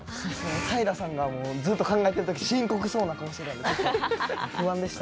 たいらさんがずっと考えているとき深刻そうだったので不安でした。